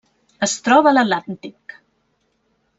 Es troba a l'Atlàntic.